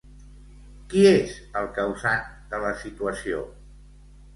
Qui és el causant de la situació?